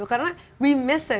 karena kita menyesal